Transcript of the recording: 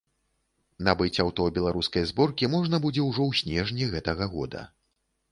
Набыць аўто беларускай зборкі можна будзе ўжо ў снежні гэтага года.